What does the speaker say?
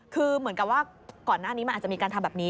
คือเหมือนกับว่าก่อนหน้านี้มันอาจจะมีการทำแบบนี้